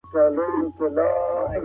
دا څلورم عدد دئ.